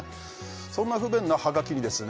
そんな不便なはがきにですね